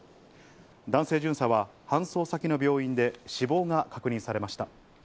男性巡査は搬送先の病院で死亡が確認されました。